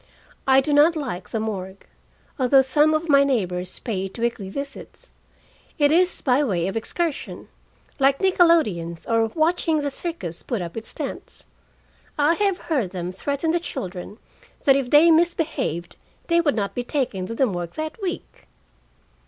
I do not like the morgue, although some of my neighbors pay it weekly visits. It is by way of excursion, like nickelodeons or watching the circus put up its tents. I have heard them threaten the children that if they misbehaved they would not be taken to the morgue that week!